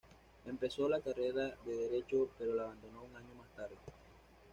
Empezó la carrera de derecho, pero la abandonó un año más tarde.